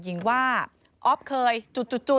ที่อ๊อฟวัย๒๓ปี